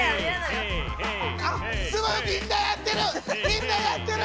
みんなやってる！